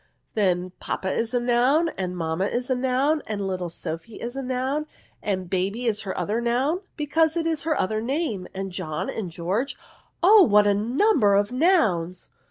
'' Then papa is a noun, and mamma is a noun, and little Sophy is a noun, and baby is her other noun, because it is her other name ; and John and George. Oh what a number of nouns